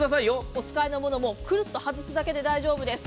お使いの物をくるっと外すだけでいいです。